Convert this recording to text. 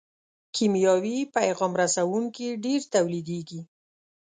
کیمیاوي پیغام رسوونکي ډېر تولیدیږي.